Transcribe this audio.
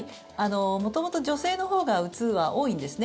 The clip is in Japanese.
元々、女性のほうがうつは多いんですね。